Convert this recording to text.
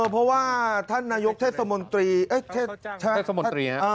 เพราะว่าท่านนายกเทศสมนตรี